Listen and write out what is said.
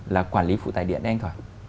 là quản lý phụ tải điện đây anh thỏ